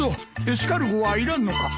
エスカルゴはいらんのか？